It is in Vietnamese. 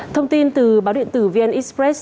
thông tin từ báo điện tử vn express